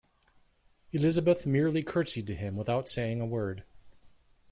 Elizabeth merely curtseyed to him without saying a word.